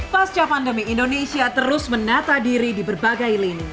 pasca pandemi indonesia terus menata diri di berbagai lini